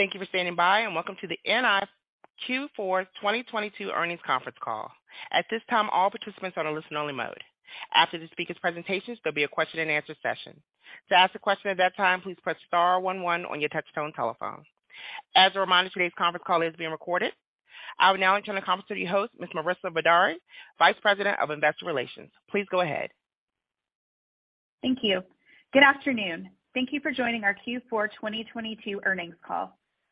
Thank you for standing by, and welcome to the NI Q4 2022 Earnings Conference Call. At this time, all participants are in listen only mode. After the speakers' presentations, there'll be a question-and answer session. To ask a question at that time, please press star one one on your touch-tone telephone. As a reminder, today's conference call is being recorded. I will now turn the conference to your host, Ms. Marissa Vidaurri, Vice President of Investor Relations. Please go ahead. Thank you. Good afternoon. Thank you for joining our Q4 2022 earnings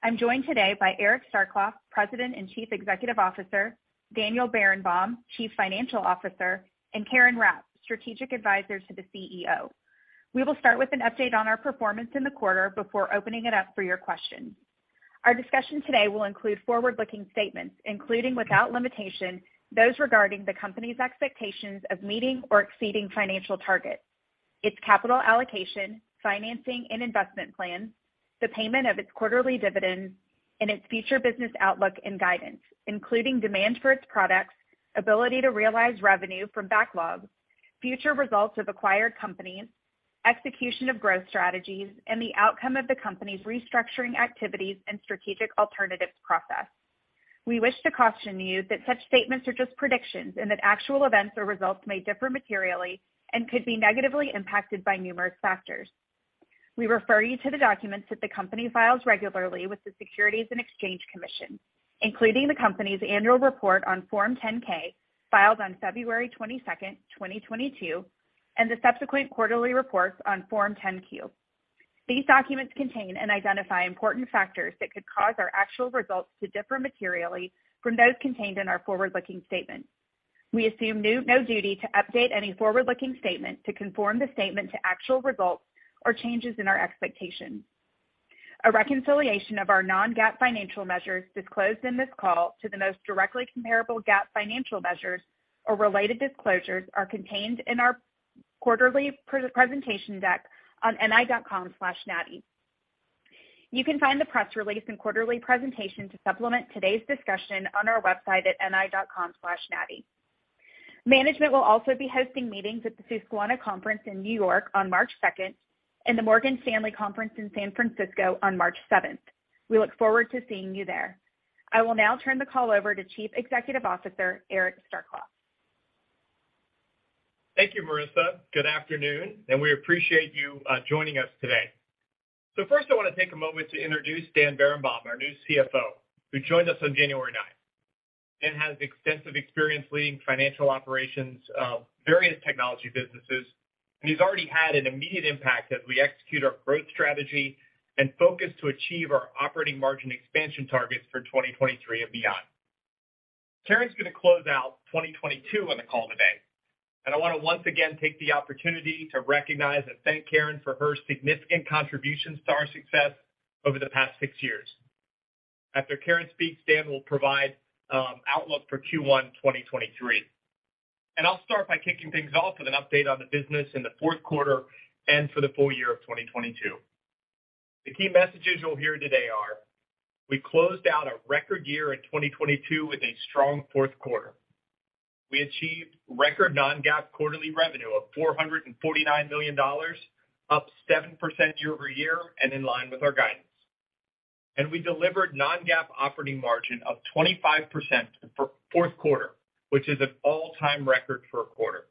call. I'm joined today by Eric Starkloff, President and Chief Executive Officer, Daniel Berenbaum, Chief Financial Officer, and Karen Rapp, Strategic Advisor to the CEO. We will start with an update on our performance in the quarter before opening it up for your questions. Our discussion today will include forward-looking statements, including, without limitation, those regarding the company's expectations of meeting or exceeding financial targets, its capital allocation, financing and investment plans, the payment of its quarterly dividends, and its future business outlook and guidance, including demand for its products, ability to realize revenue from backlogs, future results of acquired companies, execution of growth strategies, and the outcome of the company's restructuring activities and strategic alternatives process. We wish to caution you that such statements are just predictions and that actual events or results may differ materially and could be negatively impacted by numerous factors. We refer you to the documents that the company files regularly with the Securities and Exchange Commission, including the company's annual report on Form 10-K, filed on February 22nd, 2022, and the subsequent quarterly reports on Form 10-Q. These documents contain and identify important factors that could cause our actual results to differ materially from those contained in our forward-looking statements. We assume no duty to update any forward-looking statement to conform the statement to actual results or changes in our expectations. A reconciliation of our non-GAAP financial measures disclosed in this call to the most directly comparable GAAP financial measures or related disclosures are contained in our quarterly presentation deck on ni.com/nati. You can find the press release and quarterly presentation to supplement today's discussion on our website at ni.com/nati. Management will also be hosting meetings at the Susquehanna Conference in New York on March 2nd and the Morgan Stanley Conference in San Francisco on March 7th. We look forward to seeing you there. I will now turn the call over to Chief Executive Officer, Eric Starkloff. Thank you, Marissa. Good afternoon, we appreciate you joining us today. First, I wanna take a moment to introduce Dan Berenbaum, our new CFO, who joined us on January 9th. Dan has extensive experience leading financial operations of various technology businesses, and he's already had an immediate impact as we execute our growth strategy and focus to achieve our operating margin expansion targets for 2023 and beyond. Karen's gonna close out 2022 on the call today, and I wanna once again take the opportunity to recognize and thank Karen for her significant contributions to our success over the past 6 years. After Karen speaks, Dan will provide outlook for Q1 2023. I'll start by kicking things off with an update on the business in the fourth quarter and for the full year of 2022. The key messages you'll hear today are: We closed out a record year in 2022 with a strong fourth quarter. We achieved record non-GAAP quarterly revenue of $449 million, up 7% year-over-year and in line with our guidance. We delivered non-GAAP operating margin of 25% for fourth quarter, which is an all-time record for a quarter.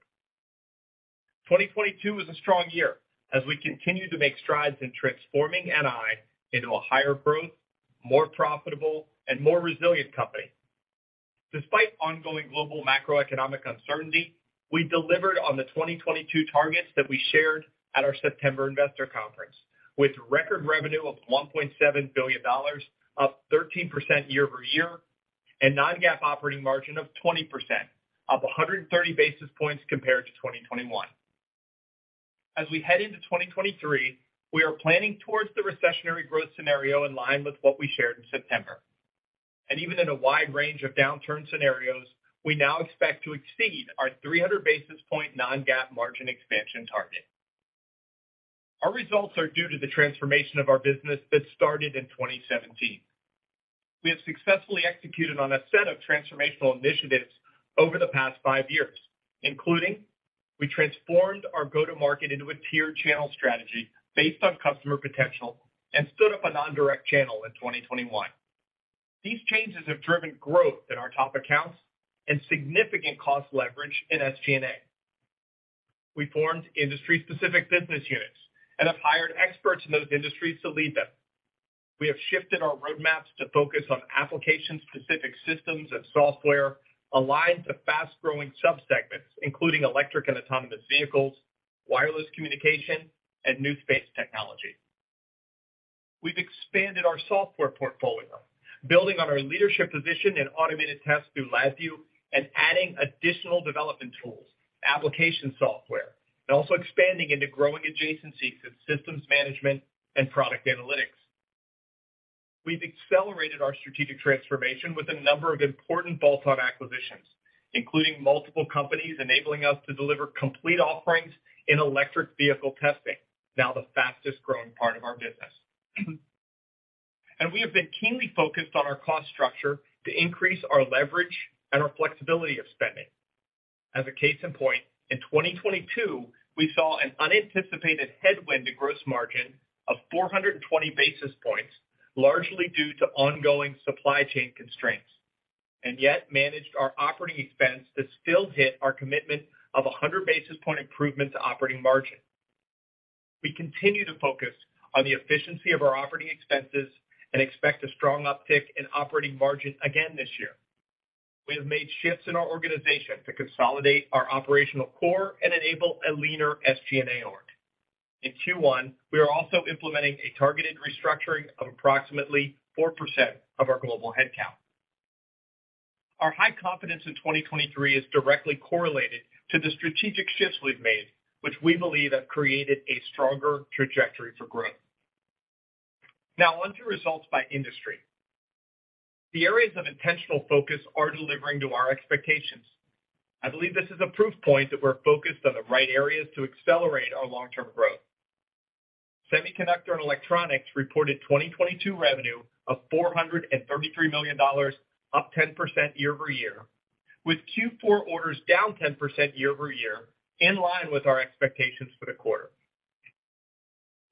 2022 was a strong year as we continued to make strides in transforming NI into a higher growth, more profitable, and more resilient company. Despite ongoing global macroeconomic uncertainty, we delivered on the 2022 targets that we shared at our September investor conference, with record revenue of $1.7 billion, up 13% year-over-year, and non-GAAP operating margin of 20%, up 130 basis points compared to 2021. As we head into 2023, we are planning towards the recessionary growth scenario in line with what we shared in September. Even in a wide range of downturn scenarios, we now expect to exceed our 300 basis point non-GAAP margin expansion target. Our results are due to the transformation of our business that started in 2017. We have successfully executed on a set of transformational initiatives over the past five years, including we transformed our go-to-market into a tier channel strategy based on customer potential and stood up a non-direct channel in 2021. These changes have driven growth in our top accounts and significant cost leverage in SG&A. We formed industry-specific business units and have hired experts in those industries to lead them. We have shifted our roadmaps to focus on application-specific systems and software aligned to fast-growing subsegments, including electric and autonomous vehicles, wireless communication, and new space technology. We've expanded our software portfolio, building on our leadership position in automated tests through LabVIEW and adding additional development tools, application software, and also expanding into growing adjacencies of systems management and product analytics. We've accelerated our strategic transformation with a number of important bolt-on acquisitions, including multiple companies enabling us to deliver complete offerings in electric vehicle testing, now the fastest-growing part of our business. We have been keenly focused on our cost structure to increase our leverage and our flexibility of spending. As a case in point, in 2022, we saw an unanticipated headwind to gross margin of 420 basis points, largely due to ongoing supply chain constraints, and yet managed our OpEx to still hit our commitment of 100 basis point improvement to operating margin. We continue to focus on the efficiency of our OpEx and expect a strong uptick in operating margin again this year. We have made shifts in our organization to consolidate our operational core and enable a leaner SG&A org. In Q1, we are also implementing a targeted restructuring of approximately 4% of our global headcount. Our high confidence in 2023 is directly correlated to the strategic shifts we've made, which we believe have created a stronger trajectory for growth. Now on to results by industry. The areas of intentional focus are delivering to our expectations. I believe this is a proof point that we're focused on the right areas to accelerate our long-term growth. Semiconductor and electronics reported 2022 revenue of $433 million, up 10% year-over-year, with Q4 orders down 10% year-over-year, in line with our expectations for the quarter.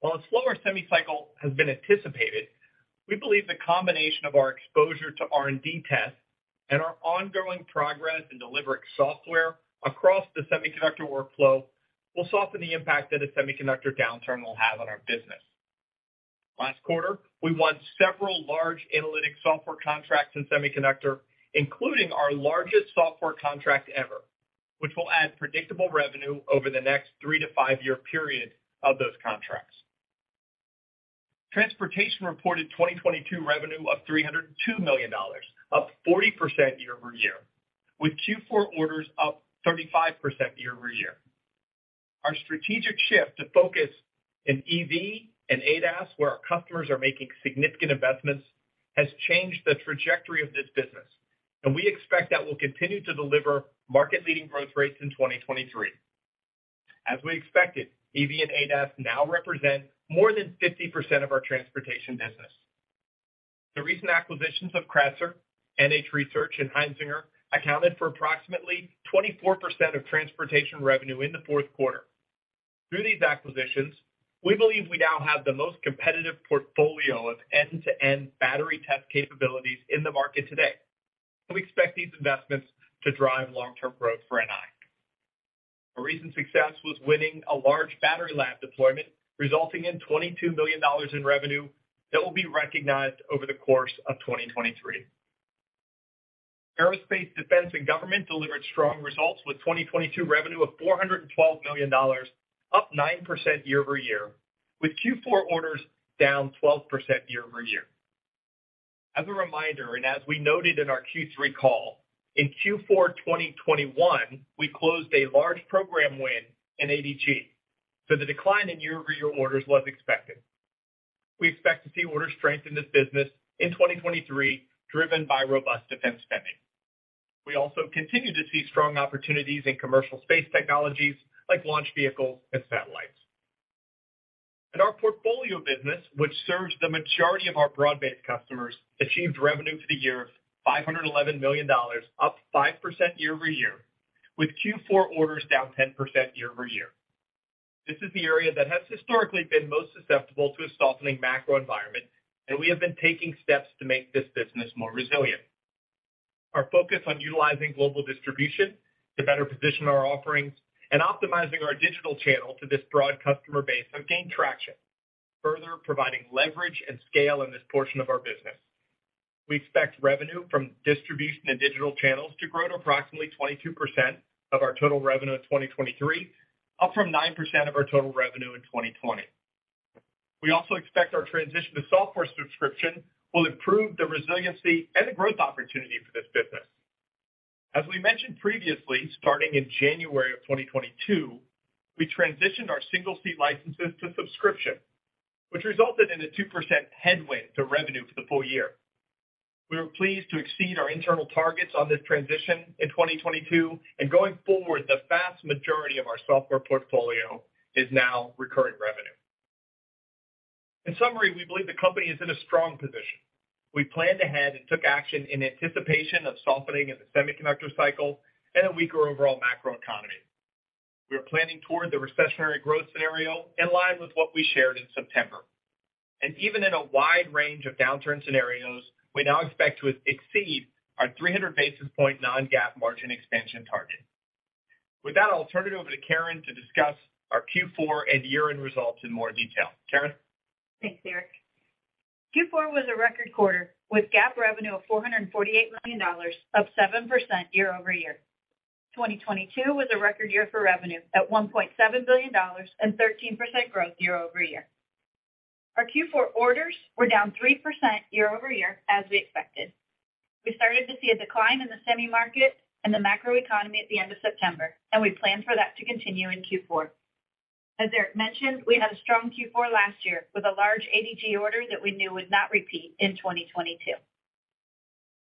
While a slower semi cycle has been anticipated, we believe the combination of our exposure to R&D test and our ongoing progress in delivering software across the semiconductor workflow will soften the impact that a semiconductor downturn will have on our business. Last quarter, we won several large analytics software contracts in semiconductor, including our largest software contract ever, which will add predictable revenue over the next three to five year period of those contracts. Transportation reported 2022 revenue of $302 million, up 40% year-over-year, with Q4 orders up 35% year-over-year. Our strategic shift to focus in EV and ADAS, where our customers are making significant investments, has changed the trajectory of this business. We expect that we'll continue to deliver market-leading growth rates in 2023. As we expected, EV and ADAS now represent more than 50% of our transportation business. The recent acquisitions of Kratzer, NH Research, and Heinzinger accounted for approximately 24% of transportation revenue in the fourth quarter. Through these acquisitions, we believe we now have the most competitive portfolio of end-to-end battery test capabilities in the market today. We expect these investments to drive long-term growth for NI. A recent success was winning a large battery lab deployment, resulting in $22 million in revenue that will be recognized over the course of 2023. Aerospace, Defense, and Government delivered strong results, with 2022 revenue of $412 million, up 9% year-over-year, with Q4 orders down 12% year-over-year. As a reminder, and as we noted in our Q3 call, in Q4 2021, we closed a large program win in ADG. The decline in year-over-year orders was expected. We expect to see order strength in this business in 2023, driven by robust defense spending. We also continue to see strong opportunities in commercial space technologies like launch vehicles and satellites. Our portfolio business, which serves the majority of our broad-based customers, achieved revenue for the year of $511 million, up 5% year-over-year, with Q4 orders down 10% year-over-year. This is the area that has historically been most susceptible to a softening macro environment, and we have been taking steps to make this business more resilient. Our focus on utilizing global distribution to better position our offerings and optimizing our digital channel to this broad customer base have gained traction, further providing leverage and scale in this portion of our business. We expect revenue from distribution and digital channels to grow to approximately 22% of our total revenue in 2023, up from 9% of our total revenue in 2020. We also expect our transition to software subscription will improve the resiliency and the growth opportunity for this business. As we mentioned previously, starting in January of 2022, we transitioned our single-seat licenses to subscription, which resulted in a 2% headwind to revenue for the full year. We were pleased to exceed our internal targets on this transition in 2022, and going forward, the vast majority of our software portfolio is now recurring revenue. In summary, we believe the company is in a strong position. We planned ahead and took action in anticipation of softening in the semiconductor cycle and a weaker overall macro economy. We are planning toward the recessionary growth scenario in line with what we shared in September. Even in a wide range of downturn scenarios, we now expect to exceed our 300 basis point non-GAAP margin expansion target. With that, I'll turn it over to Karen to discuss our Q4 and year-end results in more detail. Karen? Thanks, Eric. Q4 was a record quarter with GAAP revenue of $448 million, up 7% year-over-year. 2022 was a record year for revenue at $1.7 billion and 13% growth year-over-year. Our Q4 orders were down 3% year-over-year as we expected. We started to see a decline in the semi market and the macro economy at the end of September, and we planned for that to continue in Q4. As Eric mentioned, we had a strong Q4 last year with a large ADG order that we knew would not repeat in 2022.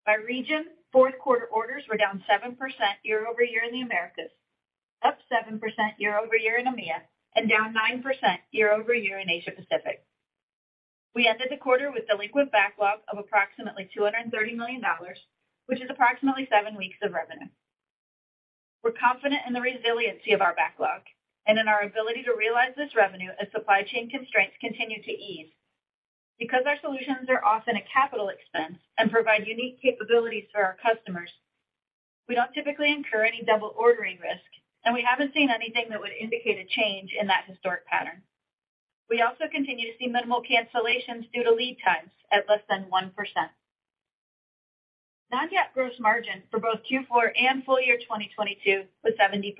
By region, fourth quarter orders were down 7% year-over-year in the Americas, up 7% year-over-year in EMEA, and down 9% year-over-year in Asia Pacific. We ended the quarter with delinquent backlog of approximately $230 million, which is approximately seven weeks of revenue. We're confident in the resiliency of our backlog and in our ability to realize this revenue as supply chain constraints continue to ease. Because our solutions are often a capital expense and provide unique capabilities for our customers, we don't typically incur any double ordering risk, and we haven't seen anything that would indicate a change in that historic pattern. We also continue to see minimal cancellations due to lead times at less than 1%. Non-GAAP gross margin for both Q4 and full year 2022 was 70%.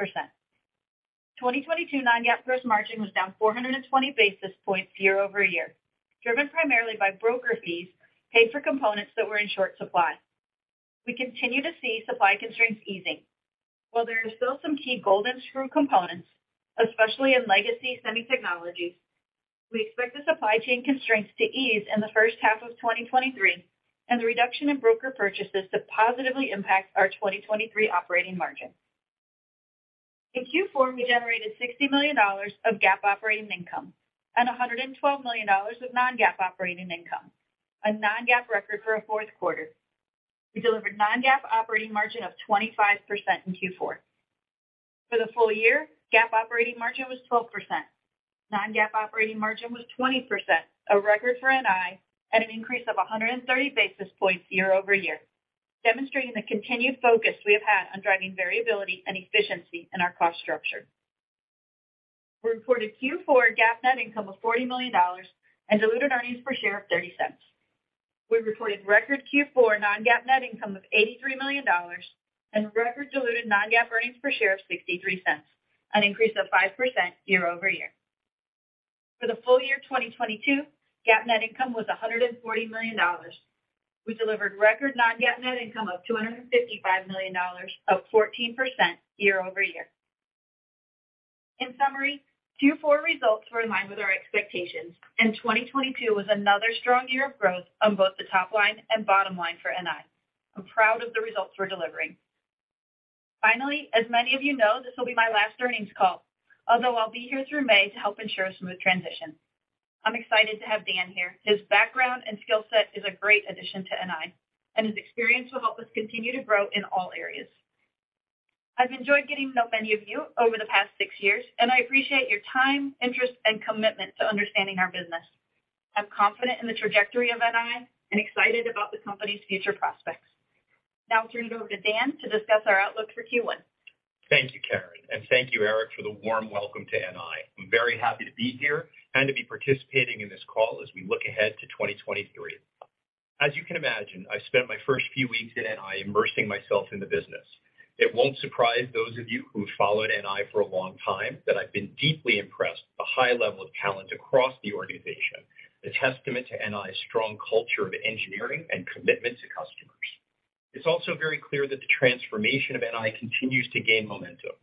2022 non-GAAP gross margin was down 420 basis points year-over-year, driven primarily by broker fees paid for components that were in short supply. We continue to see supply constraints easing. While there are still some key golden screw components, especially in legacy semi technologies, we expect the supply chain constraints to ease in the first half of 2023 and the reduction in broker purchases to positively impact our 2023 operating margin. In Q4, we generated $60 million of GAAP operating income and $112 million of non-GAAP operating income, a non-GAAP record for a fourth quarter. We delivered non-GAAP operating margin of 25% in Q4. For the full year, GAAP operating margin was 12%. Non-GAAP operating margin was 20%, a record for NI, and an increase of 130 basis points year-over-year, demonstrating the continued focus we have had on driving variability and efficiency in our cost structure. We reported Q4 GAAP net income of $40 million and diluted earnings per share of $0.30. We reported record Q4 non-GAAP net income of $83 million and record diluted non-GAAP earnings per share of $0.63, an increase of 5% year-over-year. For the full year 2022, GAAP net income was $140 million. We delivered record non-GAAP net income of $255 million, up 14% year-over-year. In summary, Q4 results were in line with our expectations, and 2022 was another strong year of growth on both the top line and bottom line for NI. I'm proud of the results we're delivering. Finally, as many of you know, this will be my last earnings call, although I'll be here through May to help ensure a smooth transition. I'm excited to have Dan here. His background and skill set is a great addition to NI, and his experience will help us continue to grow in all areas. I've enjoyed getting to know many of you over the past six years, and I appreciate your time, interest, and commitment to understanding our business. I'm confident in the trajectory of NI and excited about the company's future prospects. Now I'll turn it over to Dan to discuss our outlook for Q1. Thank you, Karen, thank you, Eric, for the warm welcome to NI. I'm very happy to be here and to be participating in this call as we look ahead to 2023. As you can imagine, I spent my first few weeks at NI immersing myself in the business. It won't surprise those of you who have followed NI for a long time that I've been deeply impressed with the high level of talent across the organization, a testament to NI's strong culture of engineering and commitment to customers. It's also very clear that the transformation of NI continues to gain momentum.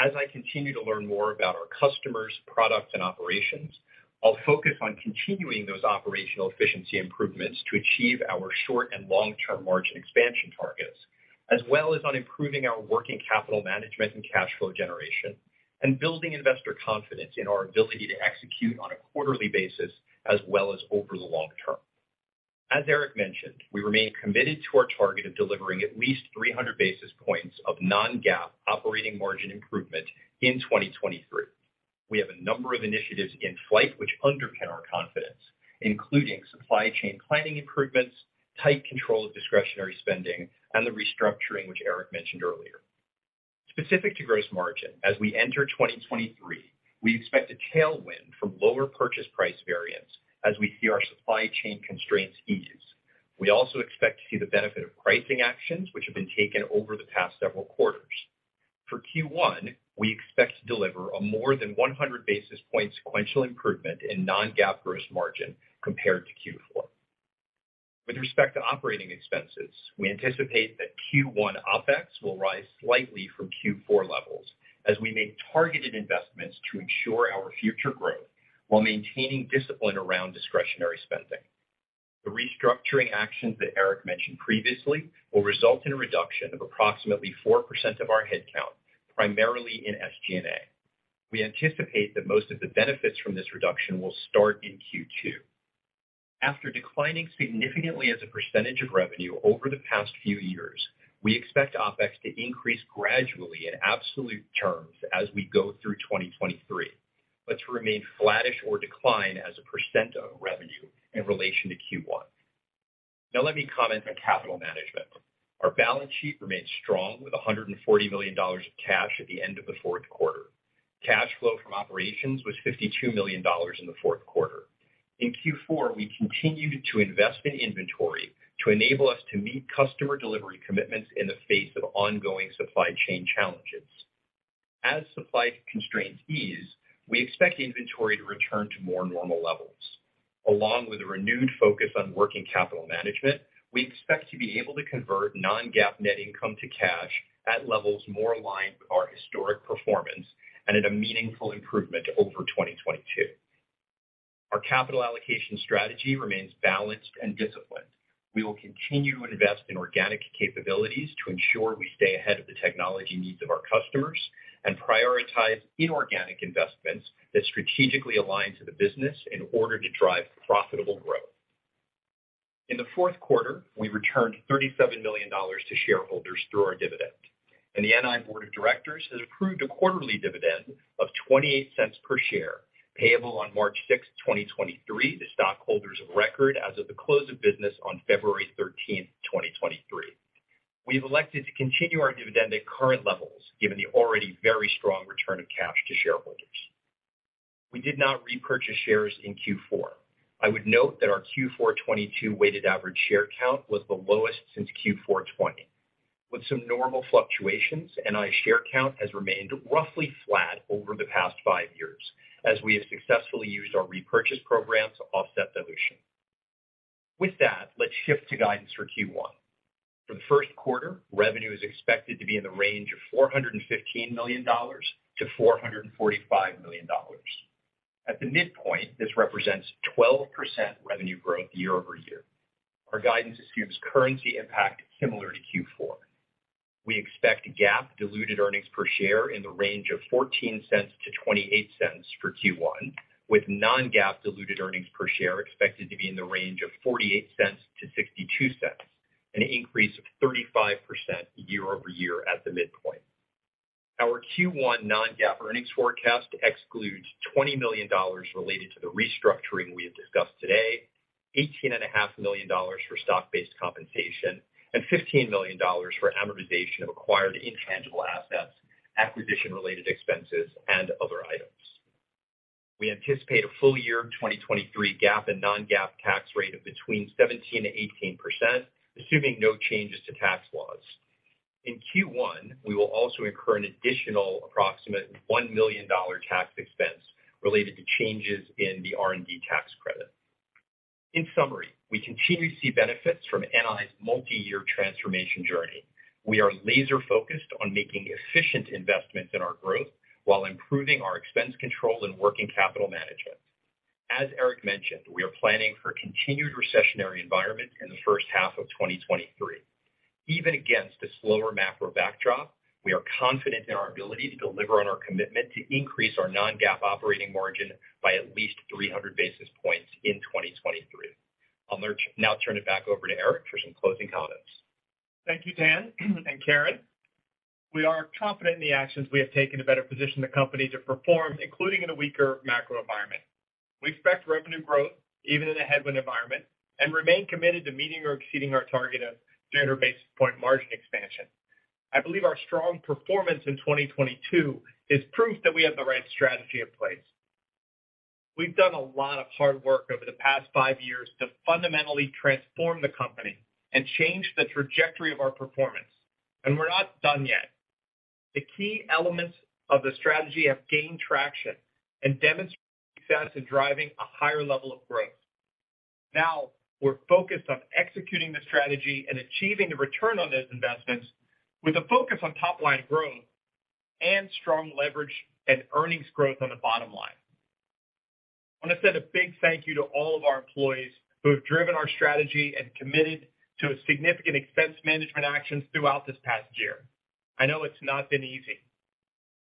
As I continue to learn more about our customers, products, and operations, I'll focus on continuing those operational efficiency improvements to achieve our short and long-term margin expansion targets, as well as on improving our working capital management and cash flow generation and building investor confidence in our ability to execute on a quarterly basis as well as over the long term. As Eric mentioned, we remain committed to our target of delivering at least 300 basis points of non-GAAP operating margin improvement in 2023. We have a number of initiatives in flight which underpin our confidence, including supply chain planning improvements, tight control of discretionary spending, and the restructuring which Eric mentioned earlier. Specific to gross margin, as we enter 2023, we expect a tailwind from lower purchase price variance as we see our supply chain constraints ease. We also expect to see the benefit of pricing actions which have been taken over the past several quarters. For Q1, we expect to deliver a more than 100 basis point sequential improvement in non-GAAP gross margin compared to Q4. With respect to operating expenses, we anticipate that Q1 OpEx will rise slightly from Q4 levels as we make targeted investments to ensure our future growth while maintaining discipline around discretionary spending. The restructuring actions that Eric mentioned previously will result in a reduction of approximately 4% of our headcount, primarily in SG&A. We anticipate that most of the benefits from this reduction will start in Q2. After declining significantly as a percentage of revenue over the past few years, we expect OpEx to increase gradually in absolute terms as we go through 2023, but to remain flattish or decline as a % of revenue in relation to Q1. Let me comment on capital management. Our balance sheet remains strong with $140 million of cash at the end of the fourth quarter. Cash flow from operations was $52 million in the fourth quarter. In Q4, we continued to invest in inventory to enable us to meet customer delivery commitments in the face of ongoing supply chain challenges. As supply constraints ease, we expect inventory to return to more normal levels. Along with a renewed focus on working capital management, we expect to be able to convert non-GAAP net income to cash at levels more aligned with our historic performance and at a meaningful improvement over 2022. Our capital allocation strategy remains balanced and disciplined. We will continue to invest in organic capabilities to ensure we stay ahead of the technology needs of our customers and prioritize inorganic investments that strategically align to the business in order to drive profitable growth. In the fourth quarter, we returned $37 million to shareholders through our dividend, and the NI board of directors has approved a quarterly dividend of $0.28 per share, payable on March 6th, 2023 to stockholders of record as of the close of business on February 13th, 2023. We have elected to continue our dividend at current levels given the already very strong return of cash to shareholders. We did not repurchase shares in Q4. I would note that our Q4 2022 weighted average share count was the lowest since Q4 2020. With some normal fluctuations, NI share count has remained roughly flat over the past five years as we have successfully used our repurchase program to offset dilution. With that, let's shift to guidance for Q1. For the first quarter, revenue is expected to be in the range of $415 million-$445 million. At the midpoint, this represents 12% revenue growth year-over-year. Our guidance assumes currency impact similar to Q4. We expect GAAP diluted earnings per share in the range of $0.14-$0.28 for Q1, with non-GAAP diluted earnings per share expected to be in the range of $0.48-$0.62, an increase of 35% year-over-year at the midpoint. Our Q1 non-GAAP earnings forecast excludes $20 million related to the restructuring we have discussed today, $18.5 million for stock-based compensation, and $15 million for amortization of acquired intangible assets, acquisition-related expenses, and other items. We anticipate a full year 2023 GAAP and non-GAAP tax rate of between 17%-18%, assuming no changes to tax laws. In Q1, we will also incur an additional approximate $1 million tax expense related to changes in the R&D tax credit. In summary, we continue to see benefits from NI's multi-year transformation journey. We are laser-focused on making efficient investments in our growth while improving our expense control and working capital management. As Eric mentioned, we are planning for continued recessionary environment in the first half of 2023. Even against a slower macro backdrop, we are confident in our ability to deliver on our commitment to increase our non-GAAP operating margin by at least 300 basis points in 2023. I'll now turn it back over to Eric for some closing comments. Thank you, Dan and Karen. We are confident in the actions we have taken to better position the company to perform, including in a weaker macro environment. We expect revenue growth even in a headwind environment and remain committed to meeting or exceeding our target of standard basis point margin expansion. I believe our strong performance in 2022 is proof that we have the right strategy in place. We've done a lot of hard work over the past 5 years to fundamentally transform the company and change the trajectory of our performance, we're not done yet. The key elements of the strategy have gained traction and demonstrated success in driving a higher level of growth. Now we're focused on executing the strategy and achieving the return on those investments with a focus on top line growth and strong leverage and earnings growth on the bottom line. I want to send a big thank you to all of our employees who have driven our strategy and committed to a significant expense management actions throughout this past year. I know it's not been easy.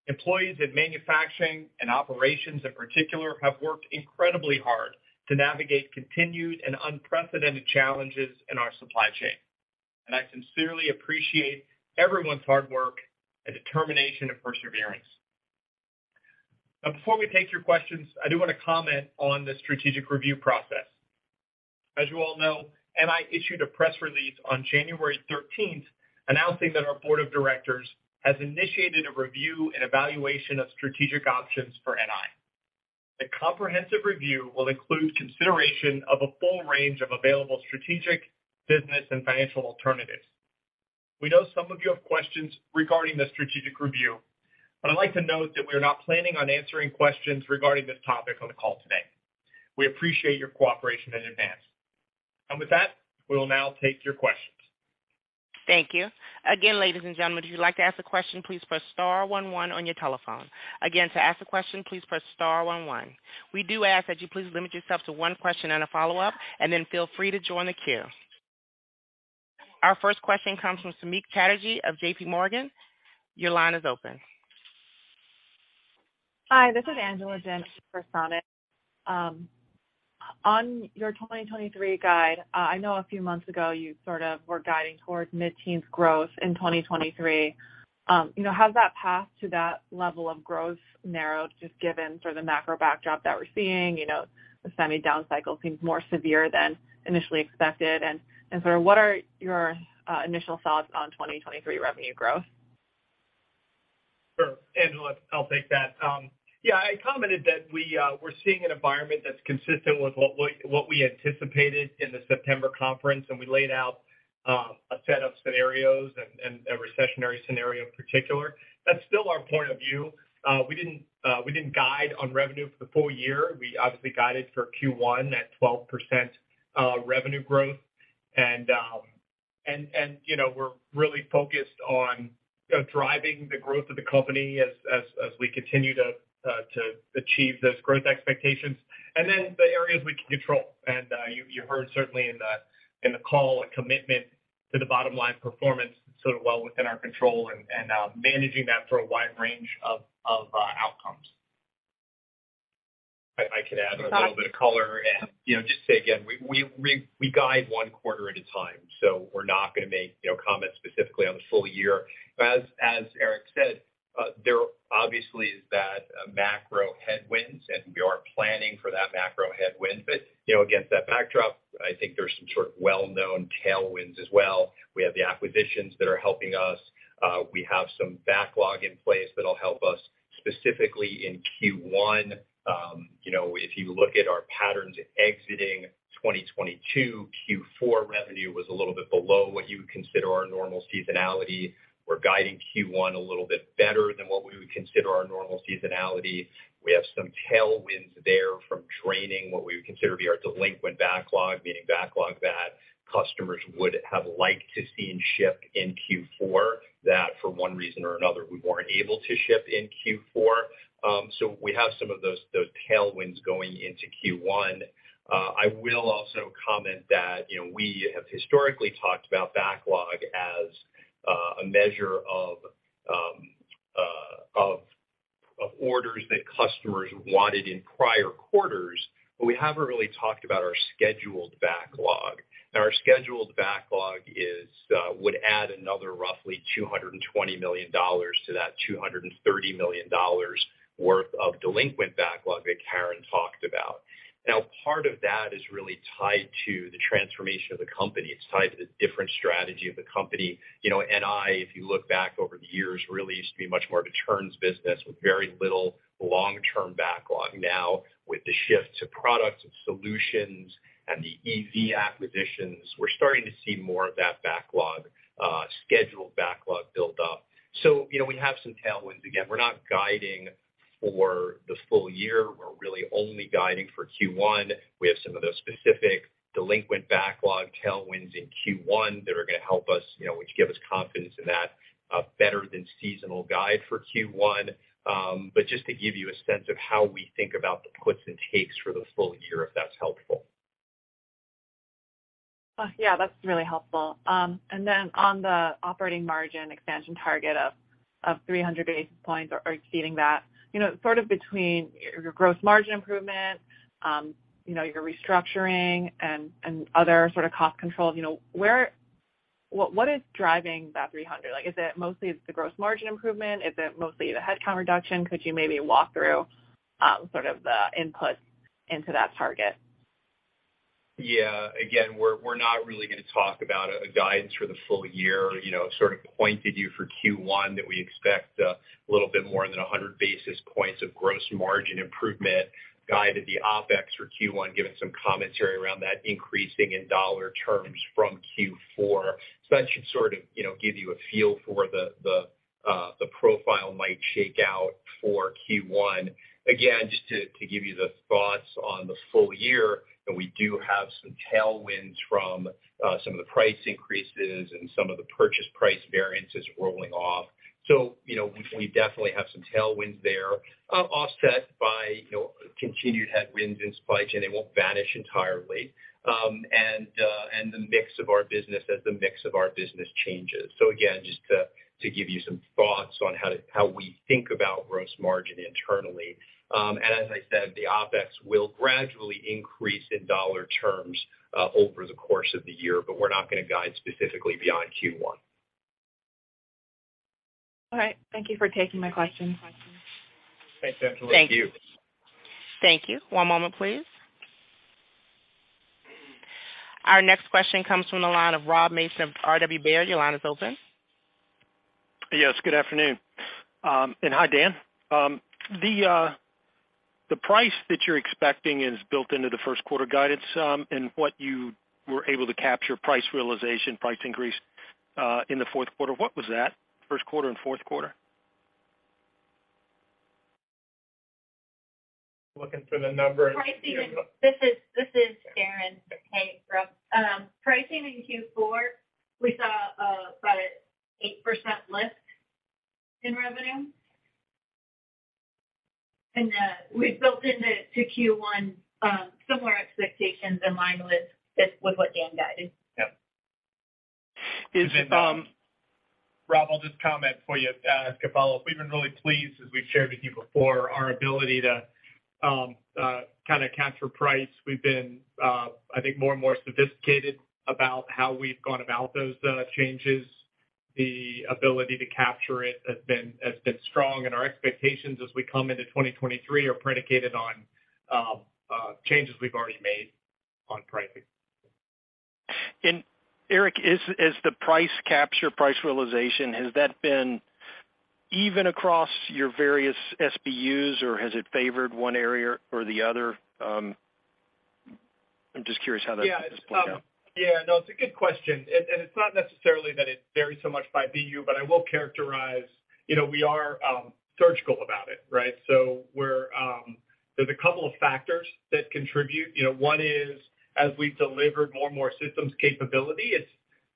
Employees in manufacturing and operations in particular have worked incredibly hard to navigate continued and unprecedented challenges in our supply chain, and I sincerely appreciate everyone's hard work and determination and perseverance. Before we take your questions, I do want to comment on the strategic review process. As you all know, NI issued a press release on January 13th announcing that our board of directors has initiated a review and evaluation of strategic options for NI. The comprehensive review will include consideration of a full range of available strategic, business, and financial alternatives. We know some of you have questions regarding the strategic review, but I'd like to note that we are not planning on answering questions regarding this topic on the call today. We appreciate your cooperation in advance. With that, we will now take your questions. Thank you. Again, ladies and gentlemen, if you'd like to ask a question, please press star one one on your telephone. Again, to ask a question, please press star one one. We do ask that you please limit yourself to one question and a follow-up and then feel free to join the queue. Our first question comes from Samik Chatterjee of JPMorgan. Your line is open. Hi, this is Angela Jin for Samik Chatterjee. On your 2023 guide, I know a few months ago you sort of were guiding towards mid-teens growth in 2023. You know, has that path to that level of growth narrowed just given sort of the macro backdrop that we're seeing? You know, the semi downcycle seems more severe than initially expected. What are your initial thoughts on 2023 revenue growth? Sure. Angela, I'll take that. Yeah, I commented that we're seeing an environment that's consistent with what we anticipated in the September conference, we laid out a set of scenarios and a recessionary scenario in particular. That's still our point of view. We didn't guide on revenue for the full year. We obviously guided for Q1 at 12% revenue growth. You know, we're really focused on driving the growth of the company as we continue to achieve those growth expectations and then the areas we can control. You heard certainly in the call a commitment to the bottom line performance sort of well within our control and managing that for a wide range of outcomes. I could add a little bit of color and, you know, just say again, we guide one quarter at a time, so we're not gonna make, you know, comments specifically on the full year. As Eric said, there obviously is that macro headwinds, and we are planning for that macro headwind. You know, against that backdrop, I think there's some sort of well-known tailwinds as well. We have the acquisitions that are helping us. We have some backlog in place that'll help us specifically in Q1. You know, if you look at our patterns exiting 2022, Q4 revenue was a little bit below what you would consider our normal seasonality. We're guiding Q1 a little bit better than what we would consider our normal seasonality. We have some tailwinds there from draining what we would consider to be our delinquent backlog, meaning backlog that customers would have liked to seen shipped in Q4, that for one reason or another, we weren't able to ship in Q4. We have some of those tailwinds going into Q1. I will also comment that, you know, we have historically talked about backlog as a measure of orders that customers wanted in prior quarters, but we haven't really talked about our scheduled backlog. Our scheduled backlog would add another roughly $220 million to that $230 million worth of delinquent backlog that Karen talked about. Part of that is really tied to the transformation of the company. It's tied to the different strategy of the company. You know, NI, if you look back over the years, really used to be much more of a turns business with very little long-term backlog. Now, with the shift to products and solutions and the EV acquisitions, we're starting to see more of that backlog, scheduled backlog build up. You know, we have some tailwinds. Again, we're not guiding for the full year. We're really only guiding for Q1. We have some of those specific delinquent backlog tailwinds in Q1 that are gonna help us, you know, which give us confidence in that better than seasonal guide for Q1. Just to give you a sense of how we think about the puts and takes for the full year, if that's helpful. Yeah, that's really helpful. On the operating margin expansion target of 300 basis points or exceeding that, you know, sort of between your gross margin improvement, you know, your restructuring and other sort of cost controls, you know, what is driving that 300? Like, is it mostly it's the gross margin improvement? Is it mostly the headcount reduction? Could you maybe walk through, sort of the input into that target? Again, we're not really gonna talk about a guidance for the full year. You know, sort of pointed you for Q1 that we expect a little bit more than 100 basis points of gross margin improvement, guided the OpEx for Q1, given some commentary around that increasing in dollar terms from Q4. That should sort of, you know, give you a feel for the profile might shake out for Q1. Just to give you the thoughts on the full year, and we do have some tailwinds from some of the price increases and some of the purchase price variances rolling off. You know, we definitely have some tailwinds there, offset by, you know, continued headwinds in spikes, and they won't vanish entirely. The mix of our business as the mix of our business changes. Again, just to give you some thoughts on how we think about gross margin internally. As I said, the OpEx will gradually increase in dollar terms over the course of the year, but we're not gonna guide specifically beyond Q1. All right. Thank you for taking my question. Thanks, Angela. Thank you. Thank you. Thank you. One moment, please. Our next question comes from the line of Rob Mason of RW Baird. Your line is open. Yes, good afternoon. Hi, Dan. The price that you're expecting is built into the first quarter guidance, and what you were able to capture price realization, price increase, in the fourth quarter. What was that, first quarter and fourth quarter? Looking for the number. This is Karen. Hey, Rob. Pricing in Q4, we saw about an 8% lift in revenue. We've built into Q1 similar expectations in line with this, with what Dan guided. Yeah. Is it? Rob, I'll just comment for you, as a follow-up. We've been really pleased, as we've shared with you before, our ability to kinda capture price. We've been, I think more and more sophisticated about how we've gone about those changes. The ability to capture it has been strong, and our expectations as we come into 2023 are predicated on changes we've already made on pricing. Eric, is the price capture, price realization, has that been even across your various SBUs, or has it favored one area or the other? I'm just curious how that has played out. Yeah. No, it's a good question. It's not necessarily that it varies so much by BU, but I will characterize, you know, we are surgical about it, right? There's a couple of factors that contribute. You know, one is as we've delivered more and more systems capability,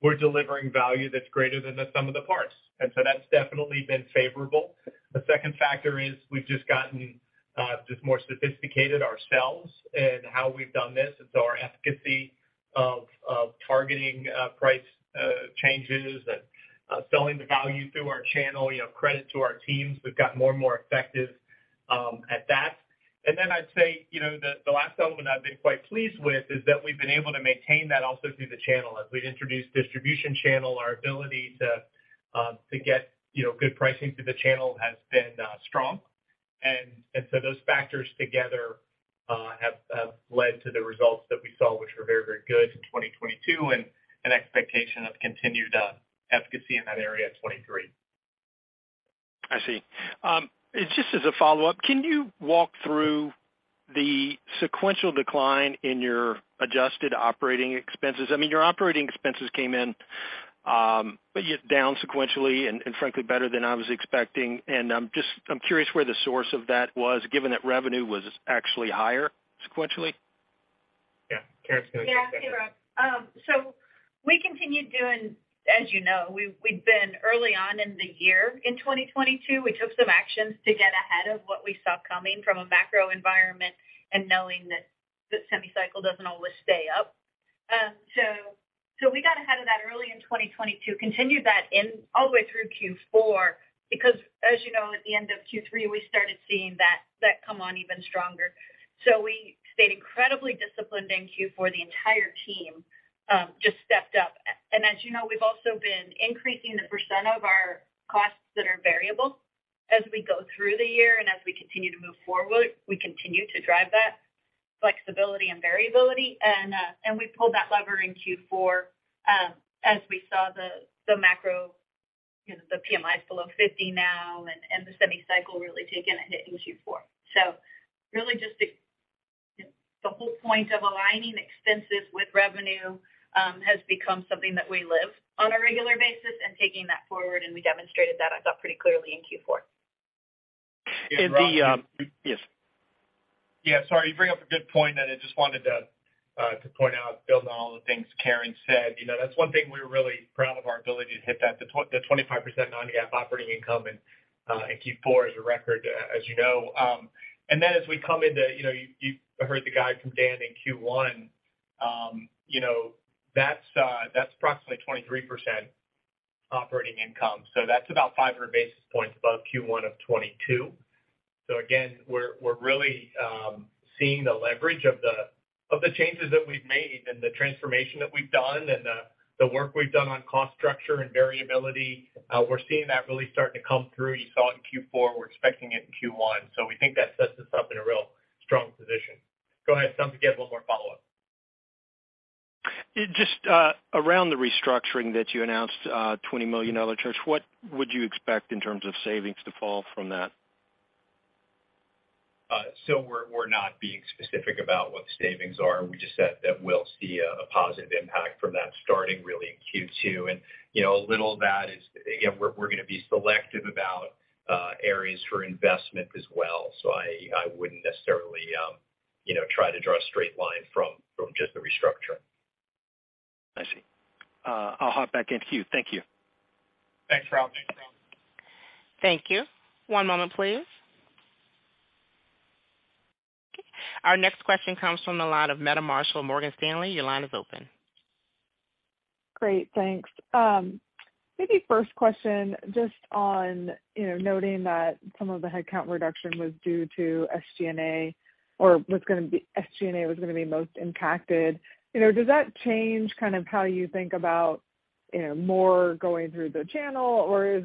We're delivering value that's greater than the sum of the parts. That's definitely been favorable. The second factor is we've just gotten more sophisticated ourselves in how we've done this. Our efficacy of targeting price changes and selling the value through our channel, you know, credit to our teams, we've got more and more effective at that. I'd say, you know, the last element I've been quite pleased with is that we've been able to maintain that also through the channel. As we introduce distribution channel, our ability to get, you know, good pricing through the channel has been strong. Those factors together have led to the results that we saw, which were very, very good in 2022, and an expectation of continued efficacy in that area in 2023. I see. Just as a follow-up, can you walk through the sequential decline in your adjusted operating expenses? I mean, your operating expenses came in, down sequentially and frankly, better than I was expecting. I'm curious where the source of that was, given that revenue was actually higher sequentially. Yeah. Karen's gonna take that. Yeah. We continued doing... As you know, we'd been early on in the year in 2022, we took some actions to get ahead of what we saw coming from a macro environment and knowing that the semi cycle doesn't always stay up. We got ahead of that early in 2022, continued that in all the way through Q4 because as you know, at the end of Q3, we started seeing that come on even stronger. We stayed incredibly disciplined in Q4. The entire team just stepped up. As you know, we've also been increasing the percent of our costs that are variable as we go through the year and as we continue to move forward, we continue to drive that flexibility and variability. We pulled that lever in Q4, as we saw the macro, the PMI is below 50 now and the semi cycle really taking a hit in Q4. Really just the whole point of aligning expenses with revenue, has become something that we live on a regular basis and taking that forward, and we demonstrated that I thought pretty clearly in Q4. And the, um- Rob? Yes. Yeah, sorry. You bring up a good point that I just wanted to point out building on all the things Karen said. You know, that's one thing we're really proud of our ability to hit that, the 25% non-GAAP operating income in Q4 is a record, as you know. As we come into, you know, you heard the guide from Dan in Q1, you know, that's approximately 23% operating income. That's about 500 basis points above Q1 of 2022. Again, we're really seeing the leverage of the changes that we've made and the transformation that we've done and the work we've done on cost structure and variability. We're seeing that really starting to come through. You saw it in Q4, we're expecting it in Q1. We think that sets us up in a real strong position. Go ahead, Tom, you get one more follow-up. Just, around the restructuring that you announced, $20 million charge, what would you expect in terms of savings to fall from that? We're not being specific about what the savings are. We just said that we'll see a positive impact from that starting really in Q2. You know, a little of that is, again, we're gonna be selective about areas for investment as well. I wouldn't necessarily, you know, try to draw a straight line from just the restructuring. I see. I'll hop back in queue. Thank you. Thanks, Rob. Thank you. One moment, please. Our next question comes from the line of Meta Marshall, Morgan Stanley. Your line is open. Great, thanks. Maybe first question, just on, you know, noting that some of the headcount reduction was due to SG&A or SG&A was gonna be most impacted. You know, does that change kind of how you think about, you know, more going through the channel, or is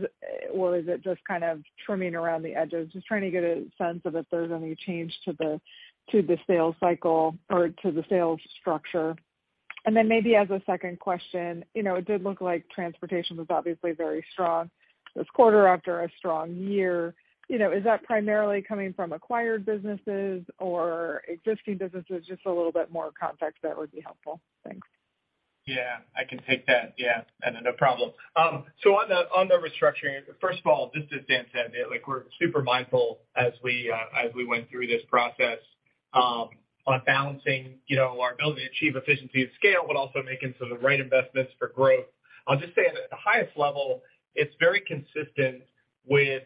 it just kind of trimming around the edges? Just trying to get a sense of if there's any change to the, to the sales cycle or to the sales structure. Maybe as a second question, you know, it did look like transportation was obviously very strong this quarter after a strong year. You know, is that primarily coming from acquired businesses or existing businesses? Just a little bit more context that would be helpful. Thanks. Yeah, I can take that. Yeah. No, no problem. On the restructuring, first of all, just as Dan said, like, we're super mindful as we went through this process, on balancing, you know, our ability to achieve efficiency of scale, but also making sort of right investments for growth. I'll just say at the highest level, it's very consistent with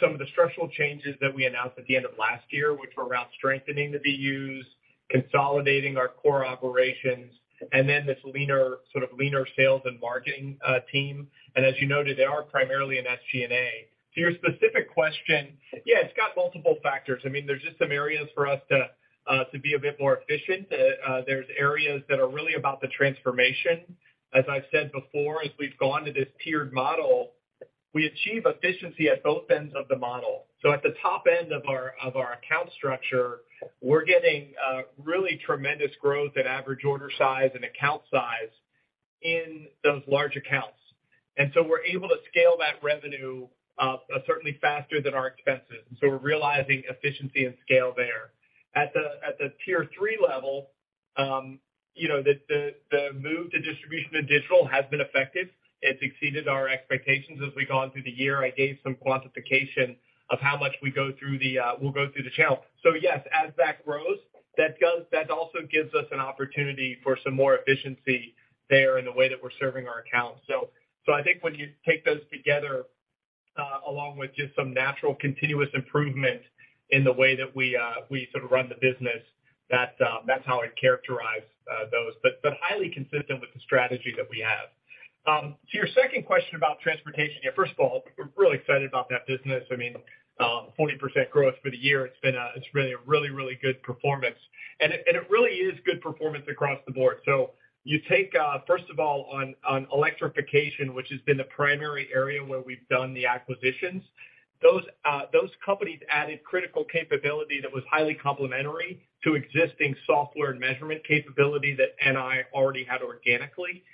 some of the structural changes that we announced at the end of last year, which were around strengthening the BUs, consolidating our core operations, and this sort of leaner sales and marketing team. As you noted, they are primarily in SG&A. To your specific question, yeah, it's got multiple factors. I mean, there's just some areas for us to be a bit more efficient. There's areas that are really about the transformation. As I've said before, as we've gone to this tiered model, we achieve efficiency at both ends of the model. At the top end of our account structure, we're getting really tremendous growth in average order size and account size in those large accounts. We're able to scale that revenue certainly faster than our expenses. We're realizing efficiency and scale there. At the tier three level, you know, the move to distribution and digital has been effective. It's exceeded our expectations as we've gone through the year. I gave some quantification of how much we go through the channel. Yes, as that grows, that also gives us an opportunity for some more efficiency there in the way that we're serving our accounts. I think when you take those together. Along with just some natural continuous improvement in the way that we sort of run the business. That's how I'd characterize those. Highly consistent with the strategy that we have. To your second question about transportation. First of all, we're really excited about that business. I mean, 40% growth for the year, it's really a really good performance. It really is good performance across the board. You take, first of all on electrification, which has been the primary area where we've done the acquisitions. Those companies added critical capability that was highly complementary to existing software and measurement capability that NI already had organically.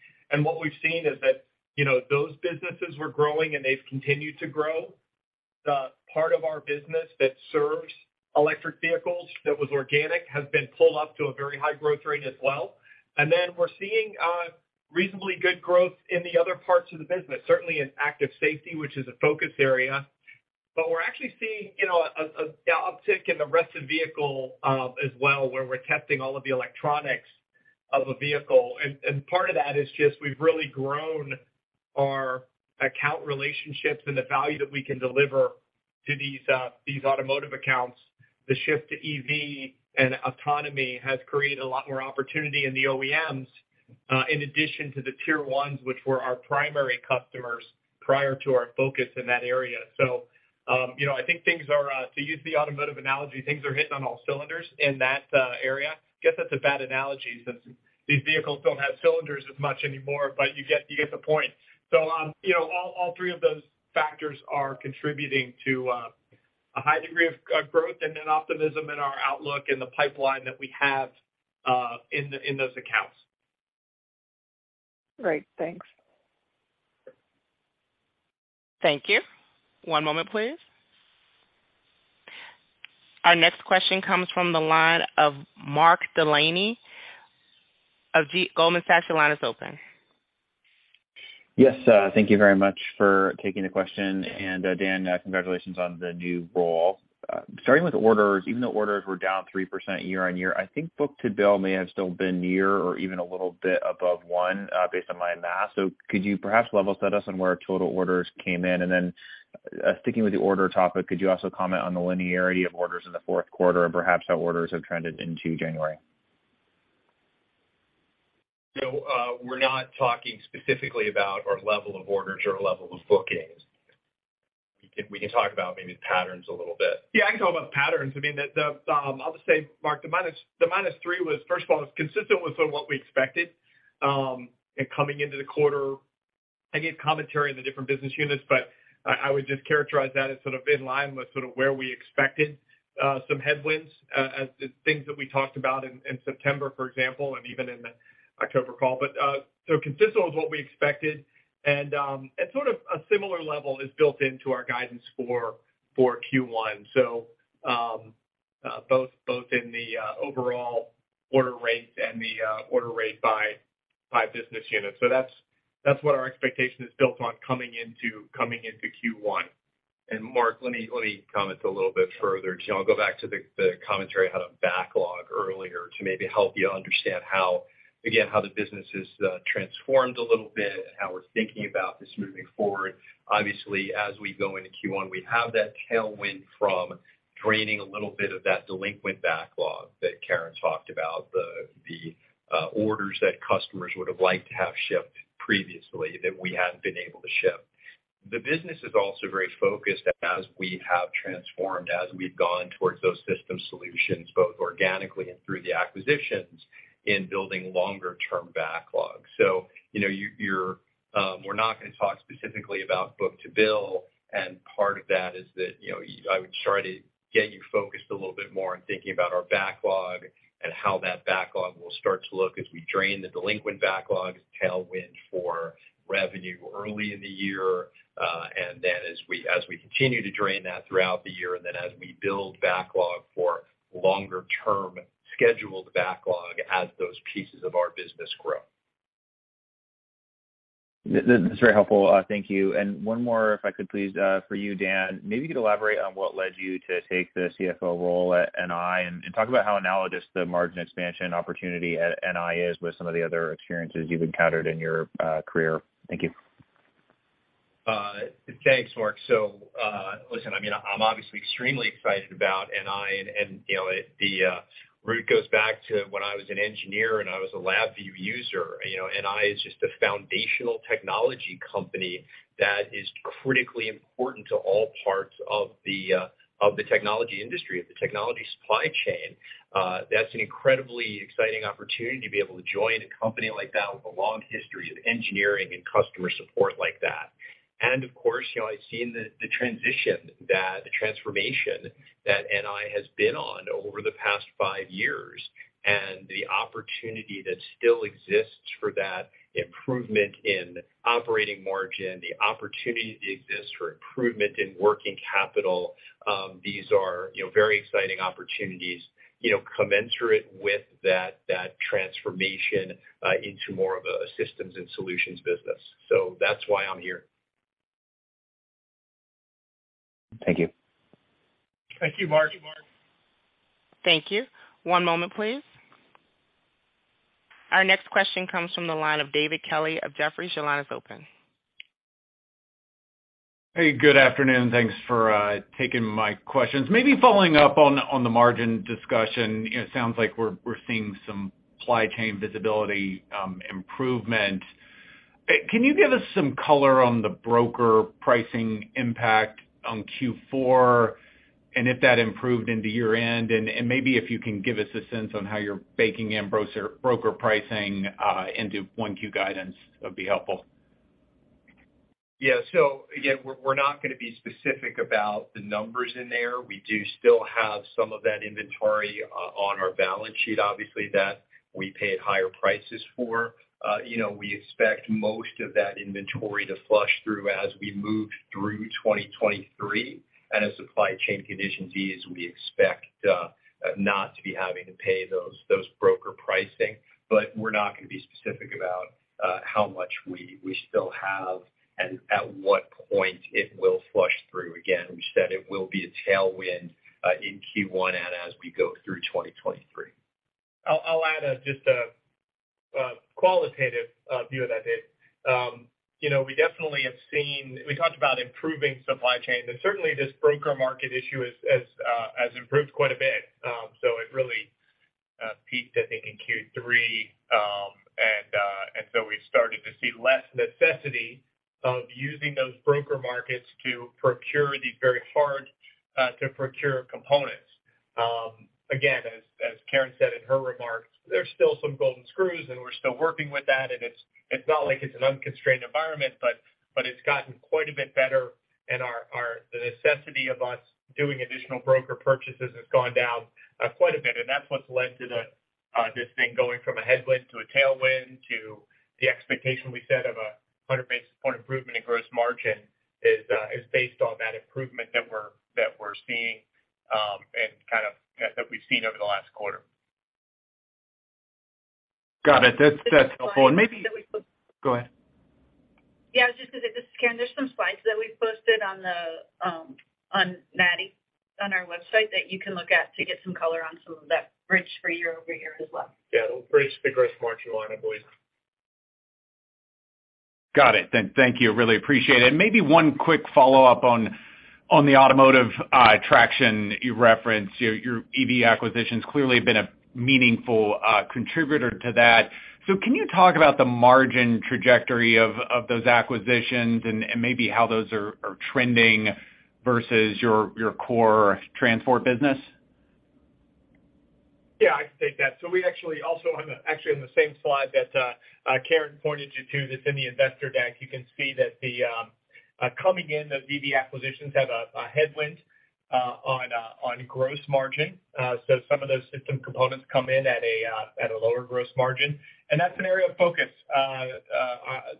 What we've seen is that, you know, those businesses were growing, and they've continued to grow. The part of our business that serves electric vehicles that was organic has been pulled up to a very high growth rate as well. We're seeing reasonably good growth in the other parts of the business, certainly in active safety, which is a focus area. We're actually seeing, you know, a uptick in the rest of vehicle as well, where we're testing all of the electronics of a vehicle. Part of that is just we've really grown our account relationships and the value that we can deliver to these automotive accounts. The shift to EV and autonomy has created a lot more opportunity in the OEMs, in addition to the Tier 1, which were our primary customers prior to our focus in that area. You know, I think things are, to use the automotive analogy, things are hitting on all cylinders in that area. Guess that's a bad analogy since these vehicles don't have cylinders as much anymore, you get the point. You know, all three of those factors are contributing to a high degree of growth and an optimism in our outlook and the pipeline that we have in those accounts. Great. Thanks. Thank you. One moment, please. Our next question comes from the line of Mark Delaney of Goldman Sachs. Your line is open. Yes, thank you very much for taking the question. Dan, congratulations on the new role. Starting with orders, even though orders were down 3% year-over-year, I think book-to-bill may have still been near or even a little bit above 1, based on my math. Could you perhaps level set us on where total orders came in? Sticking with the order topic, could you also comment on the linearity of orders in the fourth quarter and perhaps how orders have trended into January? We're not talking specifically about our level of orders or level of bookings. We can talk about maybe patterns a little bit. Yeah, I can talk about the patterns. I mean, I'll just say, Mark, the -3% was, first of all, it was consistent with sort of what we expected in coming into the quarter. I gave commentary on the different business units, but I would just characterize that as sort of in line with sort of where we expected some headwinds as the things that we talked about in September, for example, and even in the October call. Consistent with what we expected and sort of a similar level is built into our guidance for Q1. both in the overall order rates and the order rate by business unit. That's what our expectation is built on coming into Q1. Mark, let me comment a little bit further. You know, I'll go back to the commentary on backlog earlier to maybe help you understand how, again, how the business has transformed a little bit and how we're thinking about this moving forward. As we go into Q1, we have that tailwind from draining a little bit of that delinquent backlog that Karen talked about. The orders that customers would have liked to have shipped previously that we hadn't been able to ship. The business is also very focused as we have transformed, as we've gone towards those systems solutions, both organically and through the acquisitions in building longer term backlogs. You know, you're, we're not gonna talk specifically about book-to-bill, and part of that is that, you know, I would try to get you focused a little bit more on thinking about our backlog and how that backlog will start to look as we drain the delinquent backlog as a tailwind for revenue early in the year. As we continue to drain that throughout the year, and then as we build backlog for longer term scheduled backlog as those pieces of our business grow. That's very helpful. Thank you. One more if I could please, for you, Dan. Maybe you could elaborate on what led you to take the CFO role at NI and talk about how analogous the margin expansion opportunity at NI is with some of the other experiences you've encountered in your career. Thank you. Thanks, Mark. Listen, I mean, I'm obviously extremely excited about NI and, you know, the root goes back to when I was an engineer, and I was a LabVIEW user. You know, NI is just a foundational technology company that is critically important to all parts of the technology industry, of the technology supply chain. That's an incredibly exciting opportunity to be able to join a company like that with a long history of engineering and customer support like that. Of course, you know, I've seen the transition that the transformation that NI has been on over the past five years and the opportunity that still exists for that improvement in operating margin, the opportunity that exists for improvement in working capital. These are, you know, very exciting opportunities, you know, commensurate with that transformation, into more of a systems and solutions business. That's why I'm here. Thank you. Thank you, Mark. Thank you. One moment, please. Our next question comes from the line of David Kelley of Jefferies. Your line is open. Hey, good afternoon. Thanks for taking my questions. Maybe following up on the margin discussion. It sounds like we're seeing some supply chain visibility improvement. Can you give us some color on the broker pricing impact on Q4? If that improved into year-end, maybe if you can give us a sense on how you're baking in broker pricing into 1Q guidance would be helpful. Yeah. Again, we're not gonna be specific about the numbers in there. We do still have some of that inventory on our balance sheet, obviously, that we paid higher prices for. You know, we expect most of that inventory to flush through as we move through 2023. As supply chain conditions ease, we expect not to be having to pay those broker pricing. We're not gonna be specific about how much we still have, and at what point it will flush through. Again, we said it will be a tailwind in Q1 and as we go through 2023. I'll add, just a qualitative view of that, Dave. you know, we talked about improving supply chain, and certainly this broker market issue has improved quite a bit. It really peaked, I think, in Q3. We started to see less necessity of using those broker markets to procure these very hard to procure components. As Karen said in her remarks, there's still some golden screws, and we're still working with that. It's, it's not like it's an unconstrained environment, but it's gotten quite a bit better, and the necessity of us doing additional broker purchases has gone down quite a bit, and that's what's led to this thing going from a headwind to a tailwind to the expectation we set of 100 basis point improvement in gross margin is based on that improvement that we're seeing and kind of that we've seen over the last quarter. Got it. That's helpful. Maybe- Go ahead. Yeah, just 'cause this is Karen. There's some slides that we've posted on the on NATI on our website that you can look at to get some color on some of that bridge for year-over-year as well. Yeah. It'll bridge the gross margin line, I believe. Got it. Thank you. Really appreciate it. Maybe one quick follow-up on the automotive traction you referenced. Your EV acquisitions clearly have been a meaningful contributor to that. Can you talk about the margin trajectory of those acquisitions and maybe how those are trending versus your core transport business? Yeah, I can take that. We actually also actually on the same slide that Karen pointed you to that's in the investor deck, you can see that the coming in, the EV acquisitions have a headwind on gross margin. Some of those system components come in at a lower gross margin. That's an area of focus.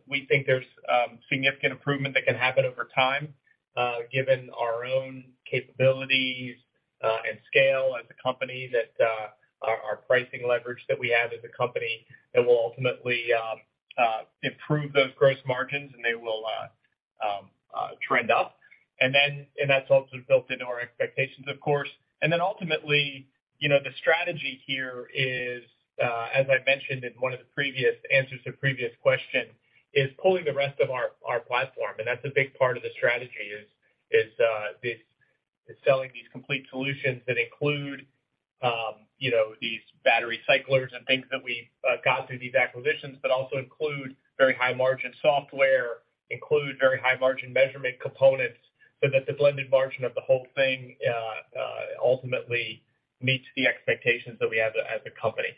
We think there's significant improvement that can happen over time, given our own capabilities and scale as a company that our pricing leverage that we have as a company that will ultimately improve those gross margins, and they will trend up. That's also built into our expectations of course. Ultimately, you know, the strategy here is, as I mentioned in one of the previous answers to previous question, is pulling the rest of our platform. That's a big part of the strategy is selling these complete solutions that include, you know, these battery cyclers and things that we got through these acquisitions, but also include very high margin software, include very high margin measurement components so that the blended margin of the whole thing ultimately meets the expectations that we have as a company.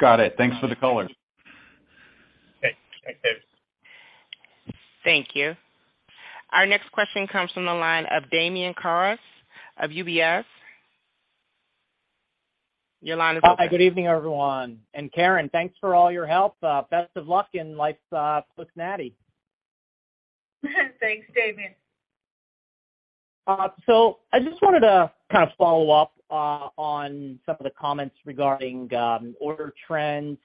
Got it. Thanks for the color. Okay. Thanks, David. Thank you. Our next question comes from the line of Damian Karas of UBS. Your line is open. Hi. Good evening, everyone. Karen, thanks for all your help. Best of luck in life, with NATI. Thanks, Damian. I just wanted to kind of follow up on some of the comments regarding order trends.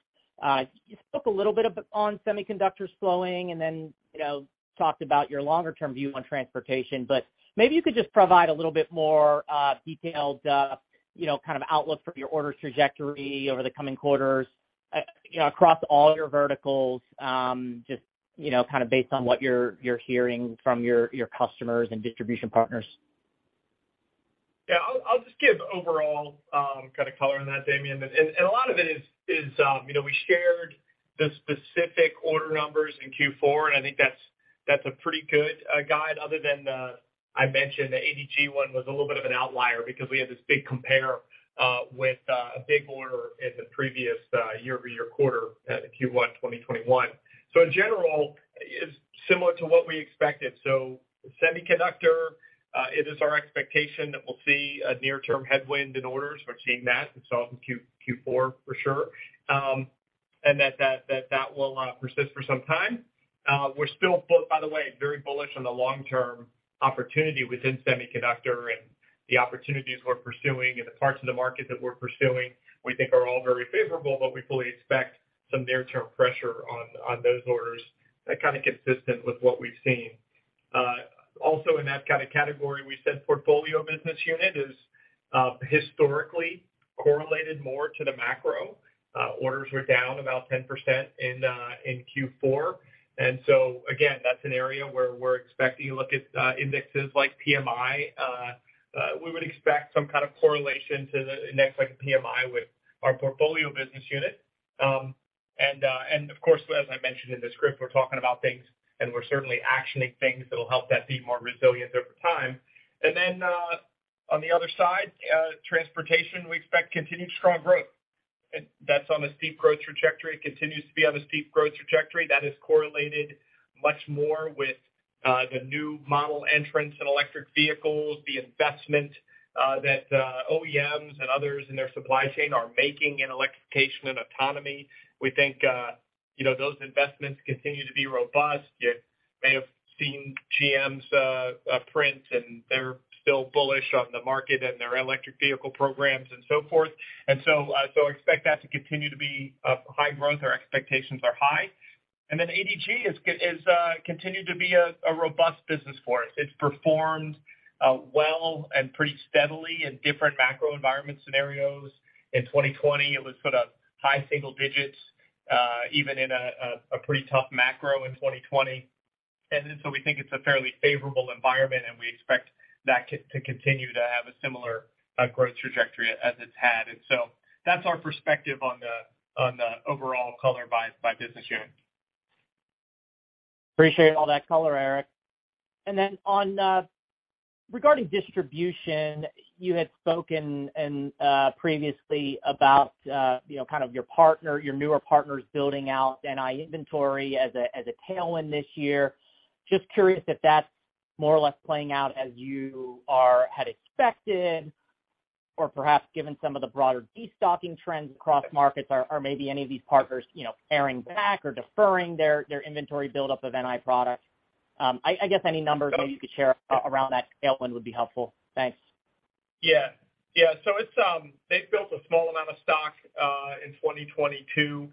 You spoke a little bit on semiconductors slowing and then, you know, talked about your longer-term view on transportation. Maybe you could just provide a little bit more detailed, you know, kind of outlook for your order trajectory over the coming quarters, you know, across all your verticals, just, you know, kind of based on what you're hearing from your customers and distribution partners. Yeah. I'll just give overall kind of color on that, Damian. A lot of it, you know, we shared the specific order numbers in Q4, and I think that's a pretty good guide other than the, I mentioned the ADG one was a little bit of an outlier because we had this big compare with a big order in the previous year-over-year quarter, Q1 2021. In general it's similar to what we expected. Semiconductor, it is our expectation that we'll see a near-term headwind in orders. We're seeing that in Q4 for sure. That will persist for some time. We're still by the way, very bullish on the long-term opportunity within semiconductor and the opportunities we're pursuing and the parts of the market that we're pursuing, we think are all very favorable. We fully expect some near-term pressure on those orders, kind of consistent with what we've seen. Also in that kind of category, we said portfolio business unit is historically correlated more to the macro. Orders were down about 10% in Q4. Again, that's an area where we're expecting to look at indexes like PMI. We would expect some kind of correlation to the index like a PMI with our portfolio business unit. Of course, as I mentioned in the script, we're talking about things and we're certainly actioning things that will help that be more resilient over time. On the other side, transportation, we expect continued strong growth. That's on a steep growth trajectory, continues to be on a steep growth trajectory that is correlated much more with the new model entrants in electric vehicles, the investment that OEMs and others in their supply chain are making in electrification and autonomy. We think, you know, those investments continue to be robust. You may have seen GM's print, and they're still bullish on the market and their electric vehicle programs and so forth. So expect that to continue to be high growth. Our expectations are high. ADG is continued to be a robust business for us. It's performed well and pretty steadily in different macro environment scenarios. In 2020, it was sort of high single digits, even in a pretty tough macro in 2020. We think it's a fairly favorable environment, and we expect that to continue to have a similar, growth trajectory as it's had. That's our perspective on the overall color by business unit. Appreciate all that color, Eric. Then on, regarding distribution, you had spoken in previously about, you know, kind of your partner, your newer partners building out NI inventory as a tailwind this year. Just curious if that's more or less playing out as you had expected or perhaps given some of the broader destocking trends across markets, or maybe any of these partners, you know, paring back or deferring their inventory buildup of NI products. I guess any numbers that you could share around that tailwind would be helpful. Thanks. Yeah. Yeah. It's They've built a small amount of stock in 2022,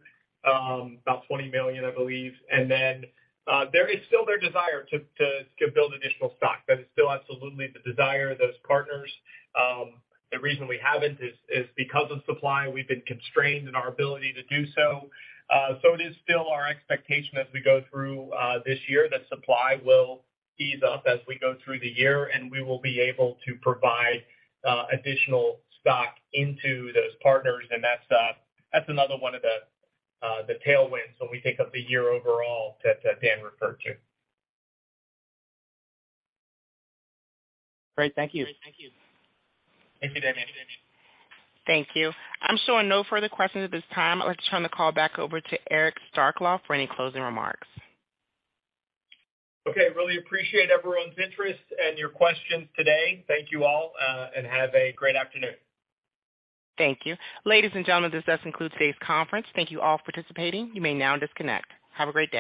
about $20 million, I believe. There is still their desire to build additional stock. That is still absolutely the desire of those partners. The reason we haven't is because of supply. We've been constrained in our ability to do so. It is still our expectation as we go through this year that supply will ease up as we go through the year, and we will be able to provide additional stock into those partners. That's another one of the tailwinds when we think of the year overall that Dan referred to. Great. Thank you. Thank you, Damian. Thank you. I'm showing no further questions at this time. I'd like to turn the call back over to Eric Starkloff for any closing remarks. Okay. Really appreciate everyone's interest and your questions today. Thank you all, and have a great afternoon. Thank you. Ladies and gentlemen, this does conclude today's conference. Thank you all for participating. You may now disconnect. Have a great day.